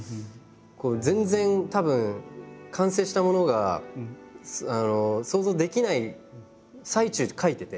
全然たぶん完成したものが想像できない最中で描いてて。